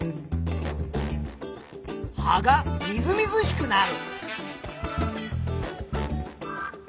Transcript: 葉がみずみずしくなる。